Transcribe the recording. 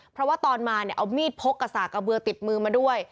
เพราะว่าตอนมาเนี่ยเอามีดพกกระสากกระเบือติดมือมาด้วย